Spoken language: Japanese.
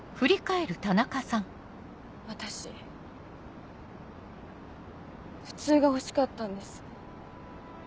私「普通」が欲しかったんです。